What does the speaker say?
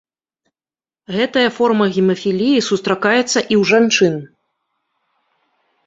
Гэтая форма гемафіліі сустракаецца і ў жанчын.